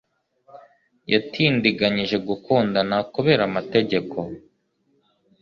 Yatindiganyije gukundana kubera amategeko